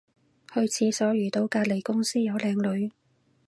去廁所遇到隔離公司有靚女